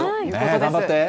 頑張って！